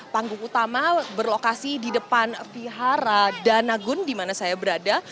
panggung utama berlokasi di depan vihara danagun di mana saya berada